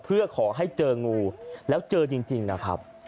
เพื่อขอให้เจองูแล้วเจอจริงนะครับ